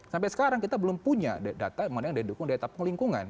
sampai sekarang kita belum punya data yang mendukung daya tampung lingkungan